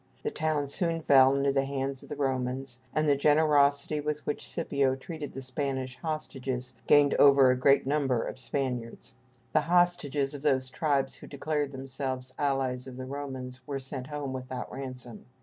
The town soon fell into the hands of the Romans, and the generosity with which Scipio treated the Spanish hostages gained over a great number of Spaniards. The hostages of those tribes who declared themselves allies of the Romans were sent home without ransom.